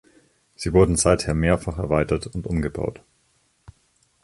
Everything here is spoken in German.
Sie wurde seither mehrfach erweitert und umgebaut.